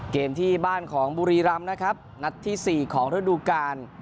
เกมที่บ้านของบุรีรำนะครับนัดที่๔ของฤดูกาล